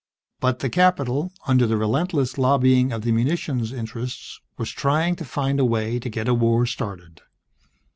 But the Capitol, under the relentless lobbying of the munitions interests, was trying to find a way to get a war started.